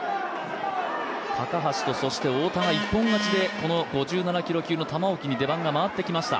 高橋と、太田が５７キロ級の玉置に出番が回ってきました。